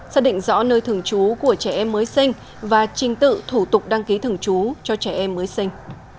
xác định rõ nơi thường trú của trẻ em mới sinh và trình tự thủ tục đăng ký thường trú cho trẻ em mới sinh